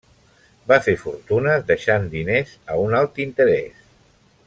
Va fer fortuna deixant diners a un alt interès.